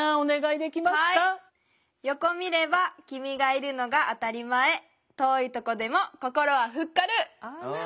「横見ればきみがいるのが当たりまえ遠いとこでも心はフッ軽」。